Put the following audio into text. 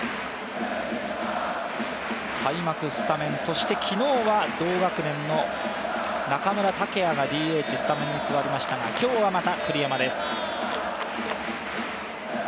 開幕スタメン、そして昨日は同学年の中村剛也がＤＨスタメンに座りましたが、今日は、また栗山です。